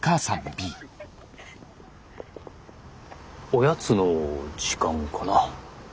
おやつの時間かな？